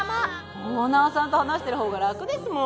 オーナーさんと話してるほうが楽ですもん。